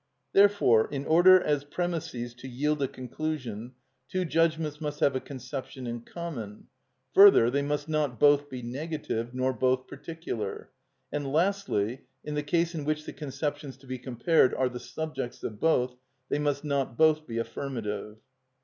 Therefore, in order as premisses to yield a conclusion, two judgments must have a conception in common; further, they must not both be negative, nor both particular; and lastly, in the case in which the conceptions to be compared are the subjects of both, they must not both be affirmative.